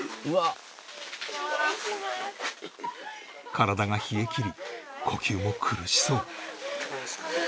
体が冷え切り呼吸も苦しそう